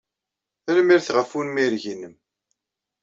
Tanemmirt ɣef unmireg-nnem.